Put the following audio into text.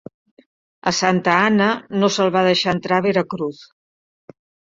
A Santa Anna no se'l va deixar entrar a Veracruz.